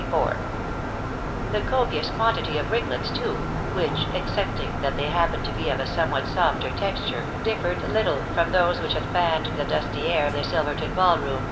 The copious quantity of ringlets, too, which, excepting that they happened to be of a somewhat softer texture, differed little from those which had fanned the dusty air of the Silverton ball room